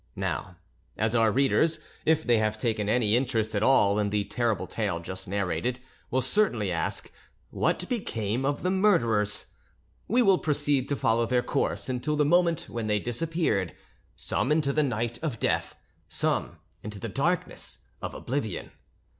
Now, as our readers, if they have taken any interest at all in the terrible tale just narrated, will certainly ask what became of the murderers, we will proceed to follow their course until the moment when they disappeared, some into the night of death, some into the darkness of oblivion.